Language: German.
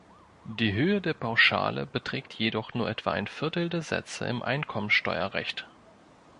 Die Höhe der Pauschale beträgt jedoch nur etwa ein Viertel der Sätze im Einkommensteuerrecht.